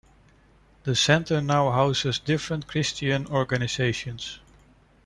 The Centre now houses different Christian organisations.